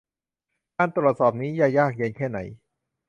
การตรวจสอบนี้จะยากเย็นแค่ไหน ?